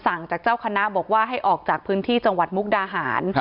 สั่งจากเจ้าคณะบอกว่าให้ออกจากพื้นที่จังหวัดมุกดาหาร